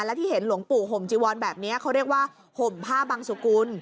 และที่เห็นหลวงปู่ห่มจีวอนแบบนี้เขาเรียกว่าห่มผ้าบังสุกุล